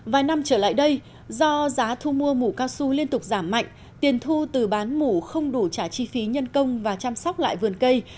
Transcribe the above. vài năm trở lại đây do giá thu mua mũ cao su liên tục giảm mạnh tiền thu từ bán mũ không đủ trả chi phí nhân công và chăm sóc lại vườn cây